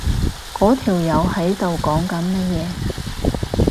嗰條友喺度講緊乜嘢？